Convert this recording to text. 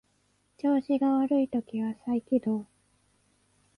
調子が悪い時は再起動